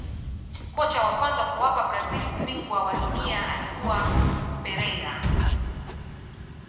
kocha wa kwanza kuwapa brazil ubingwa wa dunia alikuwa Pereira